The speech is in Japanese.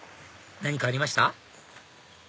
何かありました？